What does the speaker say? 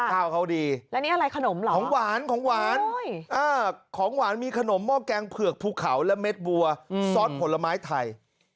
แล้วนี่อะไรขนมเหรอของหวานของหวานมีขนมม่อแกงเผลือกภูเขาและเม็ดบัวซอสผลไม้ไทย